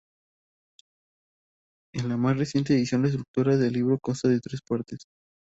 En la más reciente edición, la estructura del libro consta de tres partes.